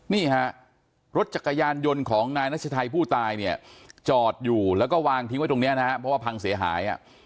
นี่ฮะรถจักรยานยนต์ของนายนัชชัยผู้ตายเนี่ยจอดอยู่แล้วก็วางทิ้งไว้ตรงนี้นะครับเพราะว่าพังเสียหาย